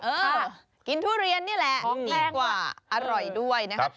กินทุเรียนนี่แหละของดีกว่าอร่อยด้วยนะครับ